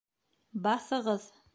Баҫығыҙ!